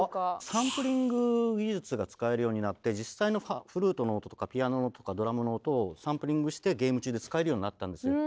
サンプリング技術が使えるようになって実際のフルートの音とかピアノの音とかドラムの音をサンプリングしてゲーム中で使えるようになったんですよ。